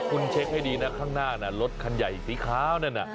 คุณเช็คให้ดีนะข้างหน้ารถคันใหญ่สีขาวนั่นน่ะ